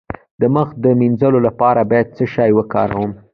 د مخ د مینځلو لپاره باید څه شی وکاروم؟